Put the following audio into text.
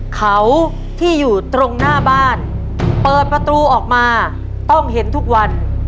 เขาที่อยู่ตรงหน้าบ้านเปิดประตูออกมาต้องเห็นทุกวัน